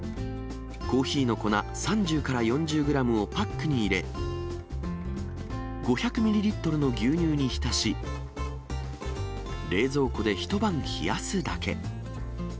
コーヒーの粉３０から４０グラムをパックに入れ、５００ミリリットルの牛乳に浸し、冷蔵庫で一晩冷やすだけ。